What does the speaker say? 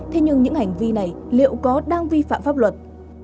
thế nhưng những hành vi này liệu có đang vi phạm pháp luật